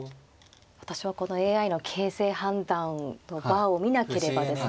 私はこのＡＩの形勢判断のバーを見なければですね